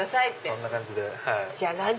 そんな感じで。